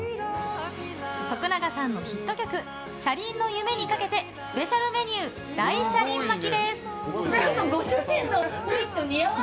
徳永さんのヒット曲「車輪の夢」にかけてスペシャルメニュー大車輪巻です。